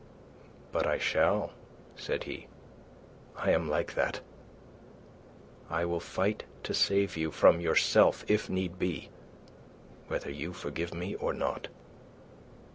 "But I shall," said he. "I am like that. I will fight to save you, from yourself if need be, whether you forgive me or not."